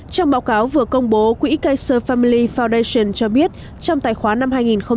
trong báo cáo vừa công bố quỹ kaser family foundation cho biết trong tài khoá năm hai nghìn một mươi chín